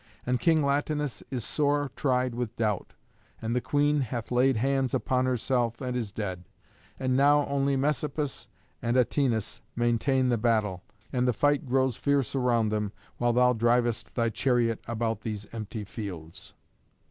And King Latinus is sore tried with doubt, and the Queen hath laid hands upon herself and is dead. And now only Messapus and Atinas maintain the battle, and the fight grows fierce around them, while thou drivest thy chariot about these empty fields."